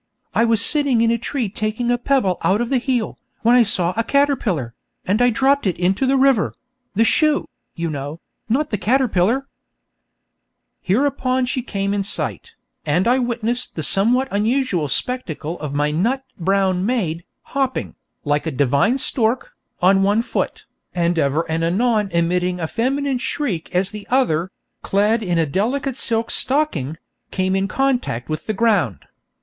I was sitting in a tree taking a pebble out of the heel, when I saw a caterpillar, and I dropped it into the river the shoe, you know, not the caterpillar.' [Illustration: I offered it to her with distinguished grace] Hereupon she came in sight, and I witnessed the somewhat unusual spectacle of my 'nut brown mayde' hopping, like a divine stork, on one foot, and ever and anon emitting a feminine shriek as the other, clad in a delicate silk stocking, came in contact with the ground.